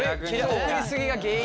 送り過ぎが原因で。